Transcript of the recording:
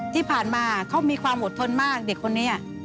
ที่ผ่านมาเขามีความอดทนมากเด็กคนนี้